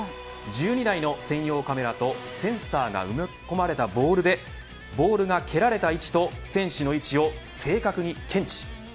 １２台の専用カメラとセンサーが埋め込まれたボールでボールが蹴られた位置と選手の位置を正確に検知。